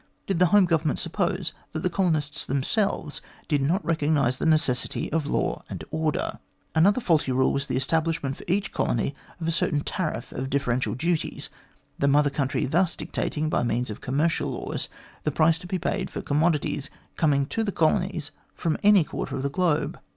Did the Home Government suppose that the colonists them selves did not recognise the necessity of law and order? Another faulty rule was the establishment for each colony of a certain tariff of differential duties, the Mother Country thus dictating by means of commercial laws the price to be paid for commodities coming to the colonies from any quarter of the globe.